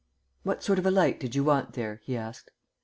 "What sort of a light did you want there?" he asked.